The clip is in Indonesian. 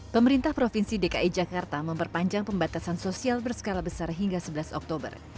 pemerintah provinsi dki jakarta memperpanjang pembatasan sosial berskala besar hingga sebelas oktober